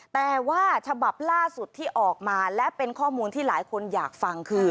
แต่ว่าฉบับล่าสุดที่ออกมาและเป็นข้อมูลที่หลายคนอยากฟังคือ